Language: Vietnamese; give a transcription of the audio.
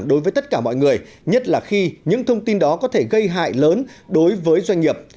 đối với tất cả mọi người nhất là khi những thông tin đó có thể gây hại lớn đối với doanh nghiệp